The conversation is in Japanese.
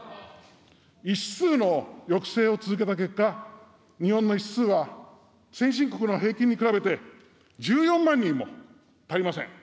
医師数の抑制を続けた結果、日本の医師数は先進国の平均に比べて１４万人も足りません。